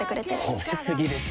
褒め過ぎですよ。